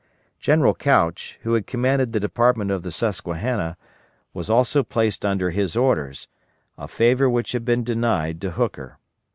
General Couch, who commanded the Department of the Susquehanna, was also placed under his orders, a favor which had been denied to Hooker.